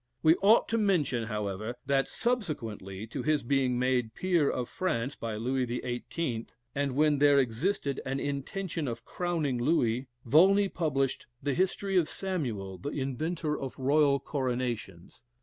We ought to mention, however, that subsequently to his being made Peer of France, by Louis XVIII.; and when there existed an intention of crowning Louis, Volney published "The History of Samuel, the inventor of Royal Coronations."